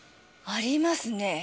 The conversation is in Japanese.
ありますね